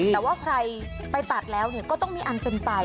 แต่ว่าใครไปตัดแล้วก็ต้องมีอันเป็นไป